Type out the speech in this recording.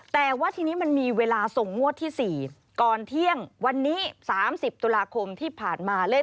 แต่ว่าทีนี้มันมีเวลาส่งงวดที่๔ก่อนเที่ยงวันนี้๓๐ตุลาคมที่ผ่านมา